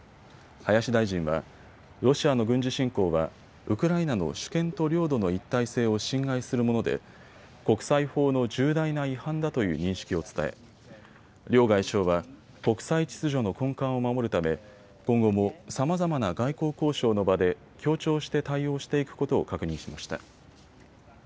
林大臣は、ロシアの軍事侵攻はウクライナの主権と領土の一体性を侵害するもので国際法の重大な違反だという認識を伝え、両外相は国際秩序の根幹を守るため今後もさまざまな外交交渉の場で協調して対応していくことを確認しました。